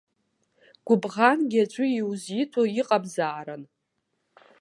Гәыбӷангьы аӡәы иузиҭо иҟамзаарын.